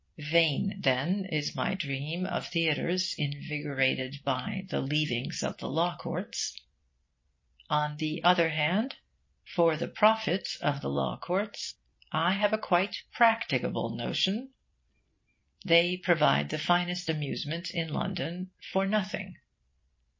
Vain, then, is my dream of theatres invigorated by the leavings of the law courts. On the other hand, for the profit of the law courts, I have a quite practicable notion. They provide the finest amusement in London, for nothing.